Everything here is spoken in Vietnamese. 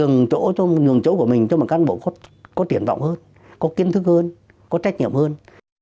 nhường chỗ của mình cho mà căn bộ có tiền vọng hơn có kiến thức hơn có trách nhiệm hơn